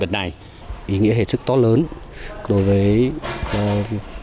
điều này ý nghĩa hệ sức to lớn đối với